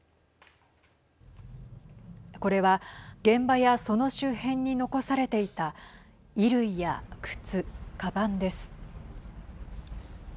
これは現場やその周辺に残されていた衣類や靴、かばんです。